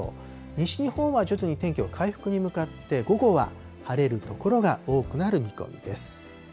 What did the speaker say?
西日本は徐々に天気は回復に向かって、午後は晴れる所が多くなる見込みです。